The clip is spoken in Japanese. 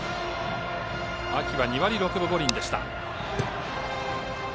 秋は２割６分５厘でした。